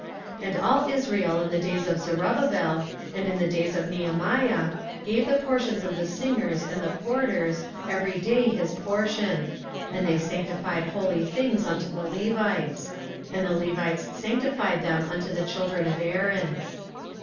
16:012:047 And all Israel in the days of Zerubbabel, and in the days of Nehemiah, gave the portions of the singers and the porters, every day his portion: and they sanctified holy things unto the Levites; and the Levites sanctified them unto the children of Aaron.